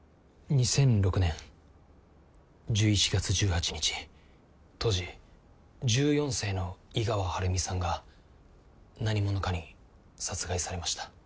２００６年１１月１８日当時１４歳の井川晴美さんが何者かに殺害されました。